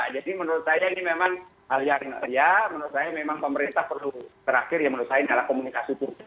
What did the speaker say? jadi menurut saya ini memang hal yang menurut saya memang pemerintah perlu terakhir yang menurut saya adalah komunikasi publik